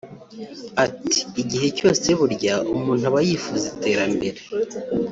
Ati “Igihe cyose burya umuntu aba yifuza iterambere